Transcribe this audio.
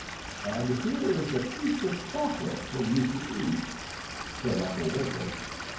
"And here is a piece of chocolate for you to eat," said Uncle Wiggily.